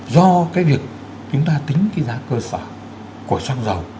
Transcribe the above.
do cái việc chúng ta tính cái giá cơ sở của xăng dầu